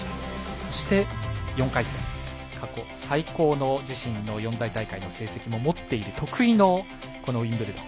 そして４回戦過去最高の自身の四大大会最高の成績も持っている得意のウィンブルドン。